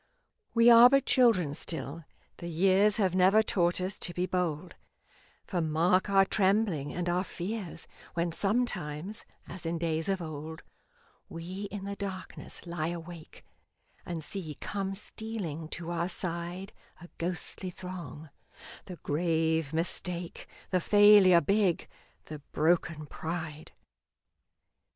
We are but children still, the years Have never taught us to be bold, For mark our trembling and our fears When sometimes, as in days of old, We in the darkness lie awake, And see come stealing to our side A ghostly throng the grave Mistake, The Failure big, the broken Pride.